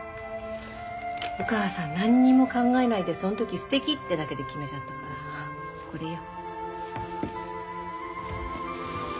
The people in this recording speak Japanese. お母さん何にも考えないでその時すてきってだけで決めちゃったからこれよ。